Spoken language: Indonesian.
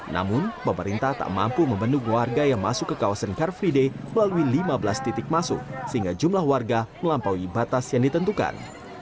namun pemerintah tak mampu membendung warga yang masuk ke kawasan car free day melalui lima belas titik masuk sehingga jumlah warga melampaui batas yang ditentukan